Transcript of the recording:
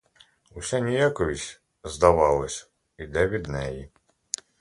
Уся ніяковість, здавалось, іде від неї.